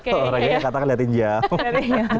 tuh orangnya katakan liatin jam